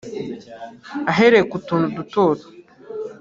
ahereye ku tuntu duto